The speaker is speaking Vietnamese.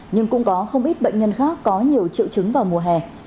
nhưng cũng có không ít bệnh nhân khác có nhiều triệu chứng vào mùa hè